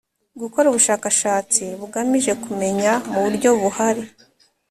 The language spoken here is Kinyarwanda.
Gukora ubushakashatsi bugamije kumenya mu buryo buhari